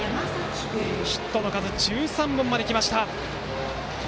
ヒットの数１３本まできました。